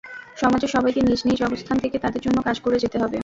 সমাজের সবাইকে নিজ নিজ অবস্থান থেকে তাদের জন্য কাজ করে যেতে হবে।